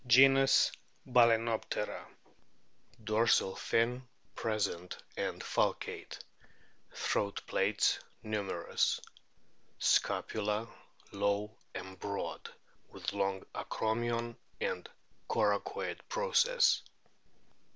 GENUS, BAL^ENOPTERA Dorsal fin present and falcate. Throat plaits numerous. Scapula low and broad, with long acromion and coracoid process.